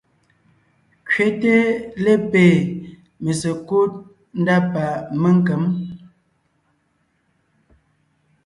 Kẅéte lépée mésekúd ndá pa ménkěm.